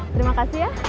terima kasih ya